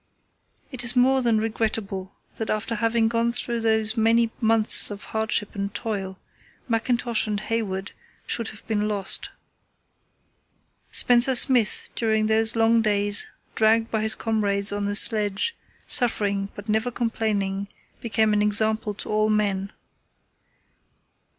It is more than regrettable that after having gone through those many months of hardship and toil, Mackintosh and Hayward should have been lost. Spencer Smith during those long days, dragged by his comrades on the sledge, suffering but never complaining, became an example to all men.